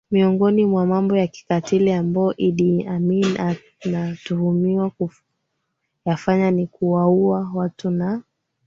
Miongoni mwa mambo ya kikatili ambayo Idi Amin anatuhumiwa kuyafanya ni kuwaua watu na